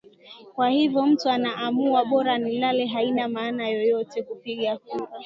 kwa hivyo mtu anaamua bora nilale haina maana yeyote kupiga kura